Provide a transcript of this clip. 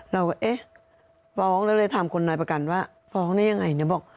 เราก็เอ๊ะฟ้องแล้วเลยถามคนนายประกันว่าฟ้องได้ยังไงเนี่ยบอก